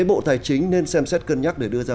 bộ tài chính nên xem xét cân nhắc để đưa ra